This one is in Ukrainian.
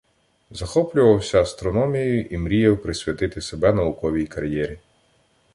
Захоплювався астрономією и мріяв присвятити себе науковій кар'єрі.